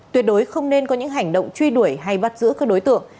tuyệt đối không nên có những hành động truy đuổi hay bắt giữ các đối tượng